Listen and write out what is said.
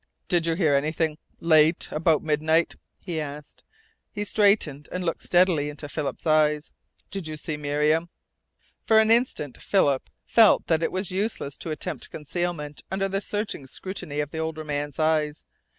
"Did you hear anything late about midnight?" he asked. He straightened, and looked steadily into Philip's eyes. "Did you see Miriam?" For an instant Philip felt that it was useless to attempt concealment under the searching scrutiny of the older man's eyes.